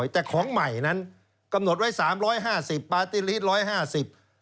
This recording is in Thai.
แต่ของใหม่นั้นกำหนดไว้๓๕๐ปฏิฤทธิ์๑๕๐